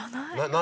何？